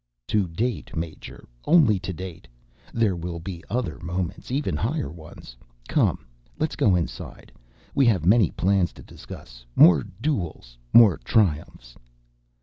"To date, major. Only to date. There will be other moments, even higher ones. Come, let's go inside. We have many plans to discuss ... more duels ... more triumphs."